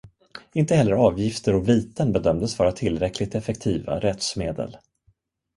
Inte heller avgifter och viten bedömdes vara tillräckligt effektiva rättsmedel.